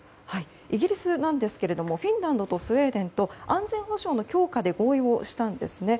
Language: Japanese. イギリスですがフィンランドとスウェーデンと安全保障の強化で合意したんですね。